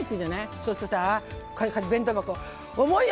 そうすると、弁当箱重いよ！